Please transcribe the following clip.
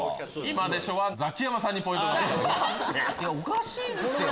おかしいですよ！